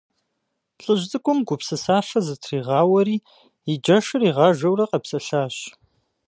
ЛӀыжь цӀыкӀум гупсысафэ зытригъауэри, и джэшхэр игъажэурэ къэпсэлъащ.